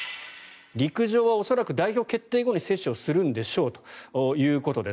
陸上は恐らく代表決定後に接種するんでしょうということです。